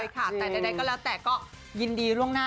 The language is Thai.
กับจิลแบบว่ามาสไพร์ไง